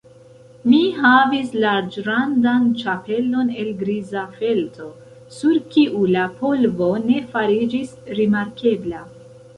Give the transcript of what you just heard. Mi havis larĝrandan ĉapelon el griza felto, sur kiu la polvo ne fariĝis rimarkebla.